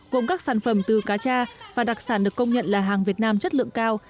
gồm các sản phẩm từ cá cha và đặc sản được công nhận là hàng việt nam chất lượng cao